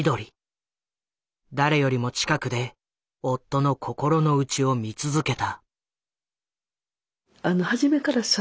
誰よりも近くで夫の心の内を見続けた。